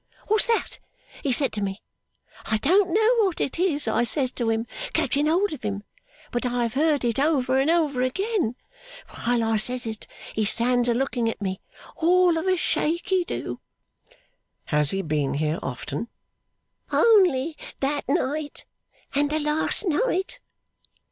"What's that?" he said to me. "I don't know what it is," I says to him, catching hold of him, "but I have heard it over and over again." While I says it, he stands a looking at me, all of a shake, he do.' 'Has he been here often?' 'Only that night, and the last night.